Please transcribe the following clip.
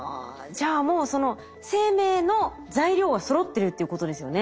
じゃあもうその生命の材料はそろってるっていうことですよね。